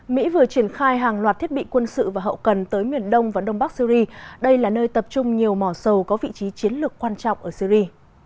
mỹ vừa triển khai hàng loạt thiết bị quân sự và hậu cần tới miền đông và đông bắc syri đây là nơi tập trung nhiều mỏ sầu có vị trí chiến lược quan trọng ở syri